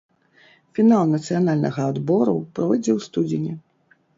Фінал нацыянальнага адбору пройдзе ў студзені.